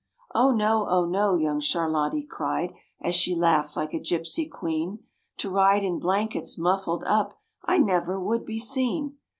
"Oh no, oh no!" young Charlottie cried, as she laughed like a gipsy queen, "To ride in blankets muffled up, I never would be seen.